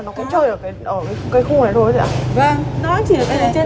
nó ra nó ra nó ra cái khu này